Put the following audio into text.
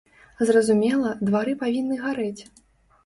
Зразумела, двары павінны гарэць.